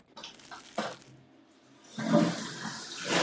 伊比科阿拉是巴西巴伊亚州的一个市镇。